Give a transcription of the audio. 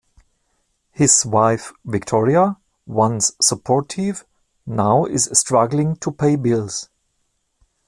His wife Victoria, once supportive, now is struggling to pay bills.